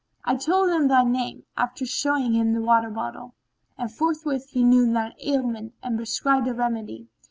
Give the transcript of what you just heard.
I told him thy name, after showing him the water bottle, and forthwith he knew thine ailment and prescribed a remedy.